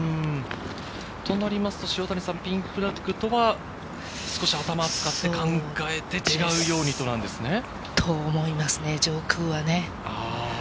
となりますと、ピンフラッグとは少し頭を使って考えて、違うようにということなんですね。と思いますね、上空はね。